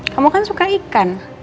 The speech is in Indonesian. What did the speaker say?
kamu kan suka ikan